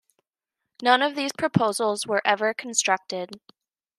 None of these proposals were ever constructed.